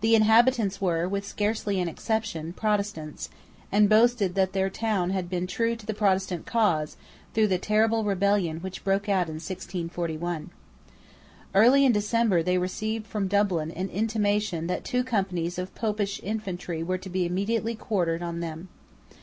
The inhabitants were, with scarcely an exception, Protestants, and boasted that their town had been true to the Protestant cause through the terrible rebellion which broke out in 1641. Early in December they received from Dublin an intimation that two companies of Popish infantry were to be immediately quartered on them.